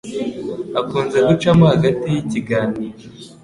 Akunze gucamo hagati yikiganiro.